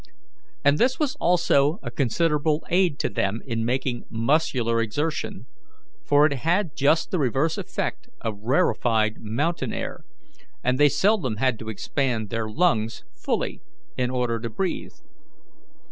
And this was also a considerable aid to them in making muscular exertion, for it had just the reverse effect of rarefied mountain air, and they seldom had to expand their lungs fully in order to breathe.